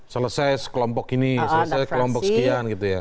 selesai sekelompok ini selesai kelompok sekian gitu ya